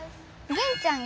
銀ちゃん